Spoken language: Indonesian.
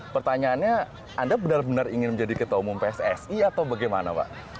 pertanyaannya anda benar benar ingin menjadi ketua umum pssi atau bagaimana pak